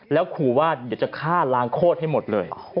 แล้วขอว่าจะฆ่าล้างโคตรให้หมดเลย